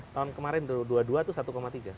tahun kemarin dua dua itu satu tiga